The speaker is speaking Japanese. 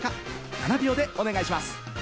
７秒でお願いします。